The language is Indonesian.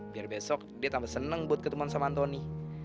biar besok dia tambah seneng buat ketemuan sama antoni